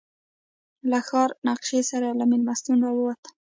له ښار نقشې سره له مېلمستونه راووتلو.